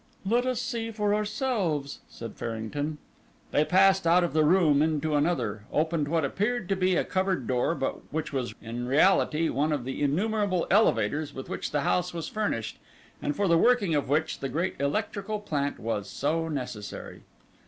"Let us see for ourselves," said Farrington. They passed out of the room into another, opened what appeared to be a cupboard door, but which was in reality one of the innumerable elevators with which the house was furnished, and for the working of which the great electrical plant was so necessary.